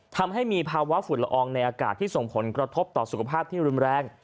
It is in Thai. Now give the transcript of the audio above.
ทำให้มีภาวะฝุ่นละอองในอากาศที่ส่งผลกระทบต่อสุขภาพที่รุนแรง